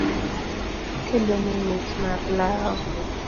Akeloni mich mar lau.